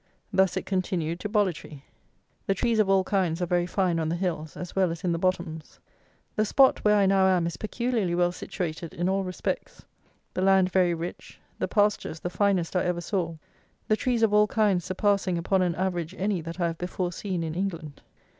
Thus it continued to Bollitree. The trees of all kinds are very fine on the hills as well as in the bottoms. The spot where I now am is peculiarly well situated in all respects. The land very rich, the pastures the finest I ever saw, the trees of all kinds surpassing upon an average any that I have before seen in England.